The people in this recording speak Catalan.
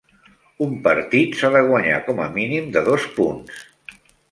Un partit s'ha de guanyar com a mínim de dos punts.